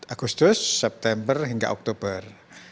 agustus september hingga oktober